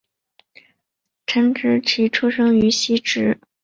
陈植棋出生于汐止